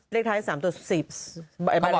เลขท้าย๓ตัว๔ใบ